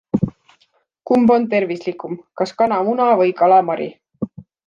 Kumb on tervislikum, kas kanamuna või kalamari?